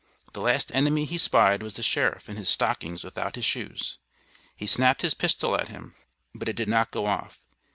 The last enemy he spied was the sheriff in his stockings without his shoes. He snapped his pistol at him, but it did not go off.